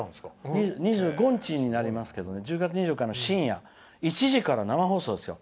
２５日になりますけど２４日の深夜１時から生放送ですよ。